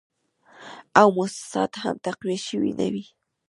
او موسسات هم تقویه شوي نه وې